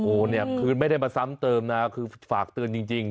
โอ้โหเนี่ยคือไม่ได้มาซ้ำเติมนะคือฝากเตือนจริง